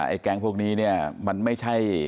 แก๊งพวกนี้เนี่ยมันไม่ใช่